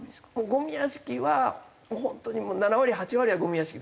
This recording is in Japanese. ゴミ屋敷は本当にもう７割８割はゴミ屋敷です。